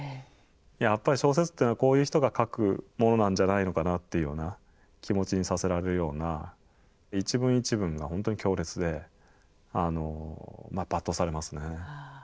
やっぱり小説っていうのはこういう人が書くものなんじゃないのかなっていうような気持ちにさせられるような一文一文が本当に強烈でまあやっぱ圧倒されますね。